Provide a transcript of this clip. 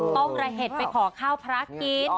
ต้องระเห็ดไปขอข้าวพระกิน